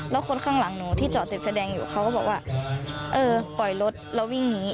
แล้วคนข้างหลังหนูที่จอดติดแสดงอยู่เขาก็บอกว่าเออปล่อยรถแล้ววิ่งหนี